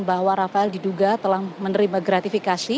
bahwa rafael diduga telah menerima gratifikasi